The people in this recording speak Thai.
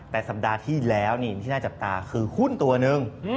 แต่สัปดาห์ที่แล้วนี่ที่น่าจับตาคือหุ้นตัวนึง